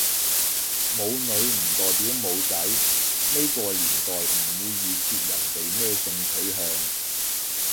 冇女唔代表冇仔，呢個年代唔會預設人哋咩性取向